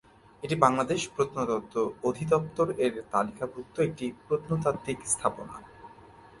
এটি বাংলাদেশ প্রত্নতত্ত্ব অধিদপ্তর এর তালিকাভুক্ত একটি প্রত্নতাত্ত্বিক স্থাপনা।